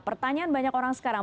pertanyaan banyak orang sekarang